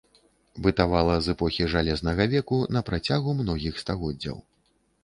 Бытавала з эпохі жалезнага веку на працягу многіх стагоддзяў.